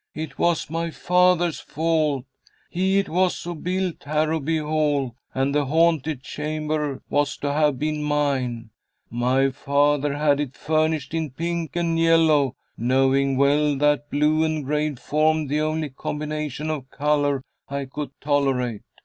"It was my father's fault. He it was who built Harrowby Hall, and the haunted chamber was to have been mine. My father had it furnished in pink and yellow, knowing well that blue and gray formed the only combination of color I could tolerate.